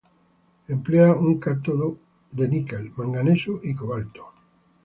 Emplea un cátodo de níquel, manganeso y cobalto.